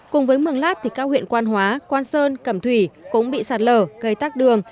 cùng với mừng lát các huyện quan hóa quan sơn cẩm thủy cũng bị sạt lở gây tác đường